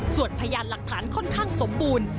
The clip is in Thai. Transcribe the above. ส่วนพยานหลักฐานค่อนข้างสมบูรณ์